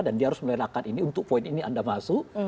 dan dia harus melenakkan ini untuk poin ini anda masuk